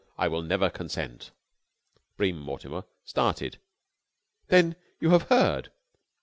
I will never consent." Bream Mortimer started. "Then you have heard!"